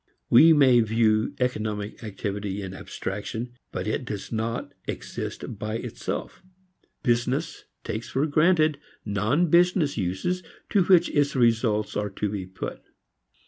We may view economic activity in abstraction, but it does not exist by itself. Business takes for granted non business uses to which its results are to be put.